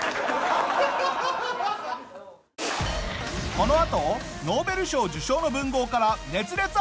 このあとノーベル賞受賞の文豪から熱烈アタック！